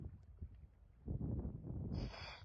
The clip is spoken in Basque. Dimorfismo sexual handia duen hegaztia da.